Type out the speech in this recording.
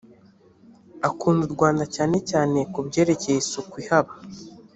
akunda u rwanda cyane cyane ku byerekeye isuku ihaba